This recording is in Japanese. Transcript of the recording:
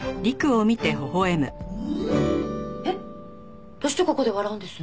えっ？どうしてここで笑うんです？